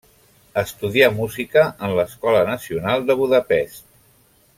Estudià música en l'Escola Nacional de Budapest.